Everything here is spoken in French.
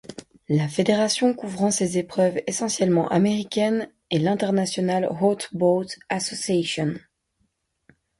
La fédération couvrant ces épreuves essentiellement américaines est l'International Hot Boat Association.